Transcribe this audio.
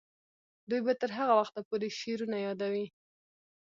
دوی به تر هغه وخته پورې شعرونه یادوي.